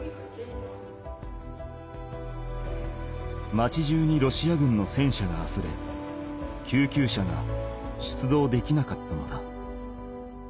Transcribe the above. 町じゅうにロシア軍の戦車があふれ救急車が出動できなかったのだ。